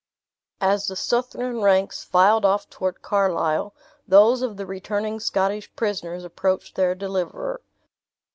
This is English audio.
As the Southron ranks filed off toward Carlisle, those of the returning Scottish prisoners approached their deliverer.